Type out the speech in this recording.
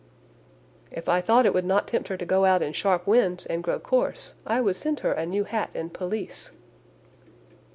"If I thought it would not tempt her to go out in sharp winds, and grow coarse, I would send her a new hat and pelisse."